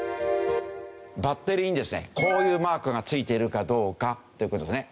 バッテリーにですねこういうマークが付いているかどうかという事ですね。